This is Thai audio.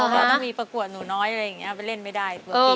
ต้องมีประกวดนู่น้อยอะไรงี้นะไปเล่นไม่ได้เพราะว่าเพลง